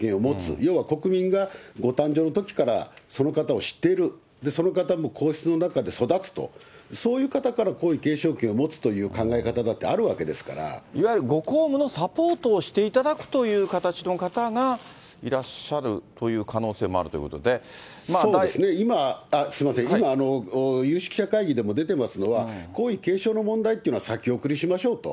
要は、国民がご誕生のときからその方を知っている、その方も皇室の中で育つと、そういう方から皇位継承権を持つという考え方だってあるわけですいわゆるご公務のサポートをしていただくという形の方がいらっしゃるという可能性もあるといそうですね、すみません、今、有識者会議でも出てますのは、皇位継承の問題っていうのは先送りしましょうと。